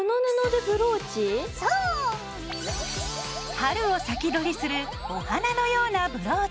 春を先取りするお花のようなブローチ。